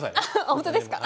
本当ですか！